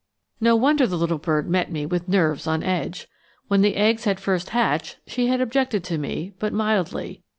No wonder the little bird met me with nerves on edge. When the eggs had first hatched, she had objected to me, but mildly.